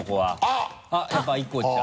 あっやっぱ１個落ちた。